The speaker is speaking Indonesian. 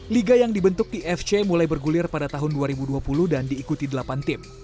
liga yang dibentuk di fc mulai bergulir pada tahun dua ribu dua puluh dan diikuti delapan tim